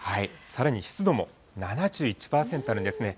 さらに湿度も７１％あるんですね。